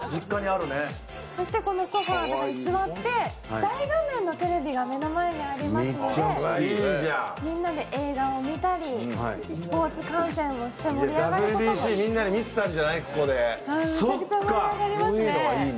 そしてこのソファーなどに座って、大画面のテレビが目の前にありますのでみんなで映画を見たりスポーツ観戦をしたりめちゃくちゃ盛り上がりますね。